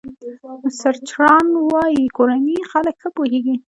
سرچران وايي کورني خلک ښه پوهېږي.